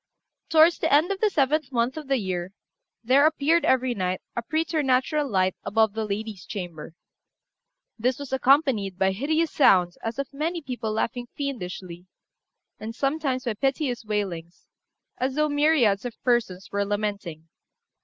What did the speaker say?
Towards the end of the seventh month of the year, there appeared, every night, a preternatural light above the lady's chamber; this was accompanied by hideous sounds as of many people laughing fiendishly, and sometimes by piteous wailings, as though myriads of persons were lamenting.